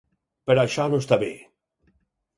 Però això no està bé.